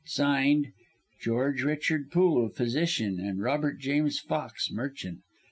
"(Signed) GEORGE RICHARD POOL, Physician; and ROBERT JAMES FOX, Merchant.